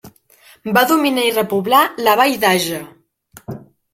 Va dominar i repoblar la vall d'Àger.